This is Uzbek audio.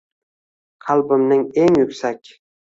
Qalbimning eng yuksak